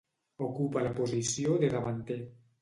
Ocupa la posició de davanter.